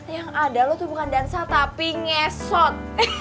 yang ada lo tuh bukan dansa tapi ngesot